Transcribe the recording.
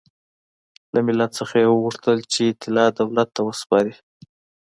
له ملت څخه یې وغوښتل چې طلا دولت ته وسپاري.